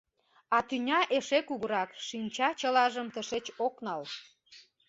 А тӱня эше кугурак, шинча чылажым тышеч ок нал.